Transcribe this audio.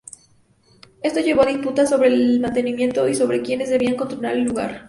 Esto llevó a disputas sobre el mantenimiento y sobre quienes debían controlar el lugar.